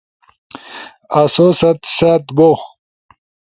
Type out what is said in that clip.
آسو ست سأت بو